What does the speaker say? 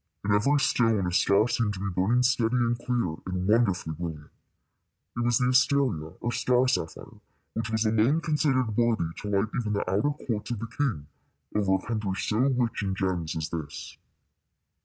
In every stone a star seemed to be burning steady and clear and wonderfully brilliant. It was the asteria, or star sapphire, which was alone considered worthy to light even the outer courts of the king over a country so rich in gems as this.